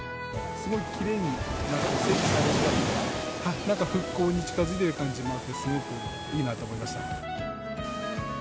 すごい奇麗になっていて整備されていたので復興に近づいている感じもあってすごくいいなと思いました。